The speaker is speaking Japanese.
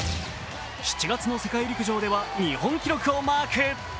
７月の世界陸上では日本記録をマーク。